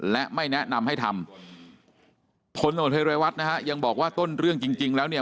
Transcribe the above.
และไม่แนะนำให้ทำทนโทษไทยรายวัฒน์นะฮะยังบอกว่าต้นเรื่องจริงแล้วเนี่ย